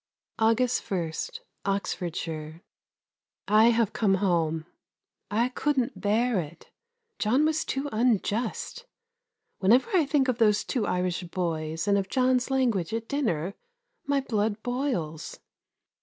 August 1, Oxfordshire. I have come home. I couldn't bear it. John was too unjust. Whenever I think of those two Irish boys and of John's language at dinner, my blood boils.